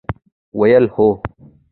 ویل ، هو!